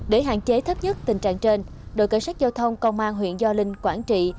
để hạn chế thấp nhất tình trạng trên đội cảnh sát giao thông công an huyện gio linh quảng trị